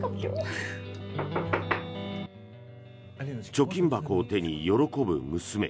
貯金箱を手に喜ぶ娘。